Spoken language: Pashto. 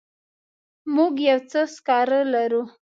موږ یو څه سکاره لرو.